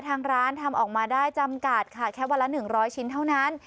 ทางร้านทำออกมาได้จำกัดค่ะแค่วันละ๑๐๐ชิ้นเท่านั้น